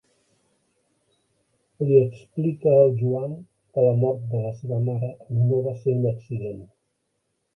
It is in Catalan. Li explica al Joan que la mort de la seva mare no va ser un accident.